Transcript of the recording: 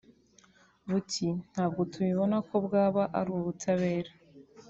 Buti “ Ntabwo tubibona ko bwaba ari ubutabera